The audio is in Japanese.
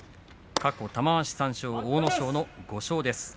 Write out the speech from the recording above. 過去玉鷲３勝阿武咲の５勝です。